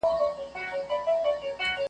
د ګل پر سیمه هر سبا راځمه .